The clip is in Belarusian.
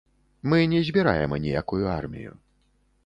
Мы не збіраем аніякую армію.